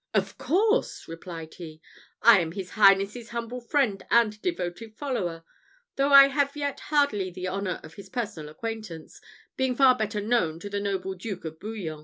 "Of course!" replied he. "I am his highness's humble friend and devoted follower; though I have yet hardly the honour of his personal acquaintance, being far better known to the noble Duke of Bouillon.